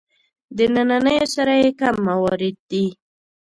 د نننیو سره یې کم موارد دي.